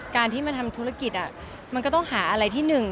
การที่มาทำธุรกิจมันก็ต้องหาอะไรที่หนึ่ง